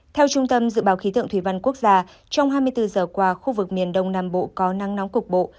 theo trung tâm dự báo khí tượng thủy văn quốc gia trong hai mươi bốn giờ qua khu vực miền đông nam bộ có nắng nóng cục bộ